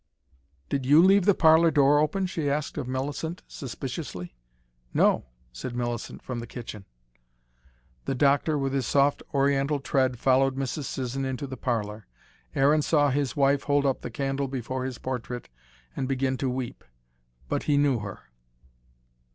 "Did YOU leave the parlour door open?" she asked of Millicent, suspiciously. "No," said Millicent from the kitchen. The doctor, with his soft, Oriental tread followed Mrs. Sisson into the parlour. Aaron saw his wife hold up the candle before his portrait and begin to weep. But he knew her.